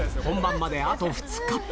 本番まであと２日。